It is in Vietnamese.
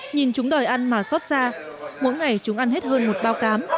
nhìn chúng đòi ăn mà xót xa mỗi ngày chúng ăn hết hơn một bao cám